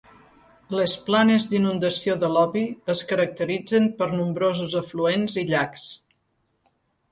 Les planes d'inundació de l'Obi es caracteritzen per nombrosos afluents i llacs.